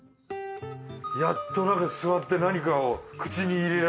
やっと座って何かを口に入れられる。